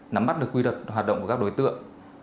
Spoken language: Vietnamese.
nắm bắt được quy luật hoạt động của các đối tượng